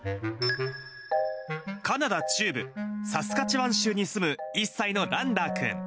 カナダ中部サスカチワン州に住む１歳のランダーくん。